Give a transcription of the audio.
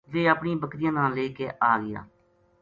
ویہ اپنی بکریاں نا لے ا ٓ گیا